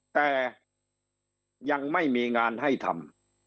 แต่ยังไม่มีงานให้ทำ